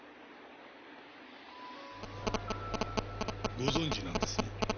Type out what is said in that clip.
ご存じなんですね？